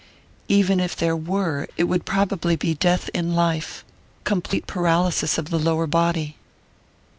"Even if there were, it would probably be death in life: complete paralysis of the lower body."